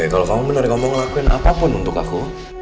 kalau kamu benar kamu ngelakuin apapun untuk aku